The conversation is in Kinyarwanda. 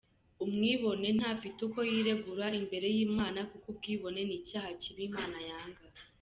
Umwibone ntafite uko yiregura imbere y’Imana kuko ubwibone ni icyaha kibi Imana yanga.